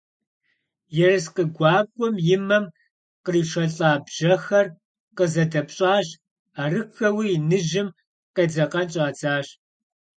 Ерыскъы гуакӀуэм и мэм къришэлӀа бжьэхэр къызэдэпщӀащ, арыххэуи иныжьым къедзэкъэн щӀадзащ.